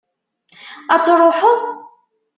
Ad truḥeḍ?